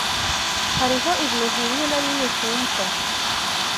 Hariho ibintu bimwe na bimwe ntumva.